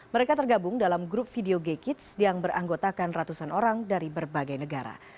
mereka tergabung dalam grup video gay kids yang beranggotakan ratusan orang dari berbagai negara